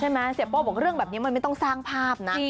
เสียโป้บอกเรื่องแบบนี้มันไม่ต้องสร้างภาพนะ